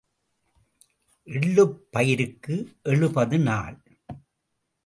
எள்ளுப் பயிருக்கு எழுபது நாள்.